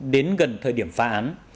đến gần thời điểm phá án